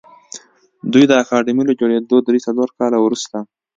دوی د اکاډمۍ له جوړېدو درې څلور کاله وروسته